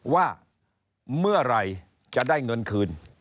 ว่าเมื่อไหร่จะได้เงินคืน